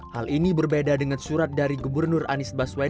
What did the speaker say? hal ini berbeda dengan surat dari gubernur anies baswedan